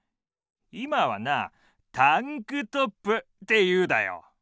今はなタンクトップっていうだよ。